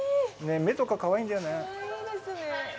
目とかかわいいんだよね。